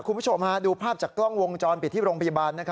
คุณผู้ชมดูภาพจากกล้องวงจรปิดที่โรงพยาบาล